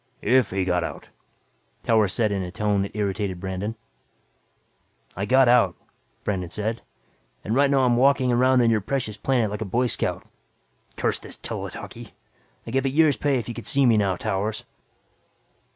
"If he got out," Towers said in a tone that irritated Brandon. "I got out," Brandon said. "And right now I'm walking around your precious planet like a boy scout. Damn this tele talkie! I'd give a year's pay if you could see me now, Towers."